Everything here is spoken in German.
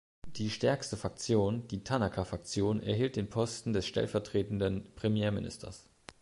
Die stärkste Faktion, die Tanaka-Faktion erhielt den Posten des Stellvertretenden Premierministers.